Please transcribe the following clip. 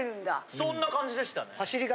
そんな感じでしたね。